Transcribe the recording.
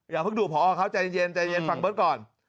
อย่าเพิ่งดูผอเขาใจเย็นฟังเบิร์ตก่อน